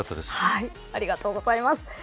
ありがとうございます。